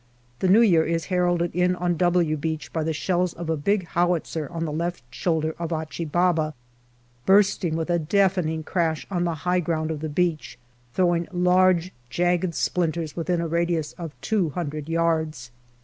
The new year is heralded in on " W " Beach by the shells of a big howitzer on the left shoulder of Achi Baba bursting with a deafening crash on the high ground of the beach, throwing large jagged splinters within a radius of two hundred yards.